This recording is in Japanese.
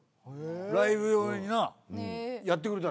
ライブ用になやってくれたのよ曲を。